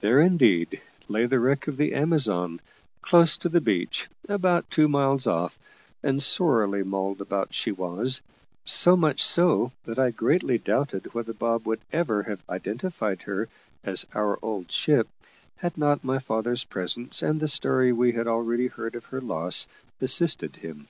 There, indeed, lay the wreck of the Amazon, close to the beach, about two miles off, and sorely mauled about she was; so much so, that I greatly doubted whether Bob would ever have identified her as our old ship, had not my father's presence, and the story we had already heard of her loss, assisted him.